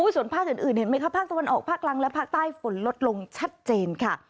ส่วนภาคอื่นเห็นไหมคะภาคตะวันออกภาคกลางและภาคใต้ฝนลดลงชัดเจนค่ะ